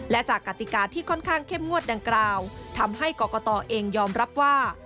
และจากกติกาที่ค่อนข้างเข้มงวดดังกล่าวทำให้กรกตเองยอมรับว่า